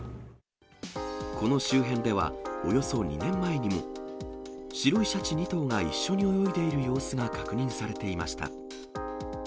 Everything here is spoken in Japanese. この周辺では、およそ２年前にも、白いシャチ２頭が一緒に泳いでいる様子が確認されていました。